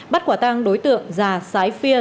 bắt quả tang đối tượng già sái phia